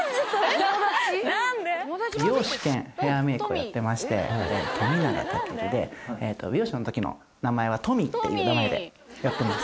美容師兼ヘアメイクをやってまして富永武尊で美容師の時の名前はＴｏｍｍｙっていう名前でやってます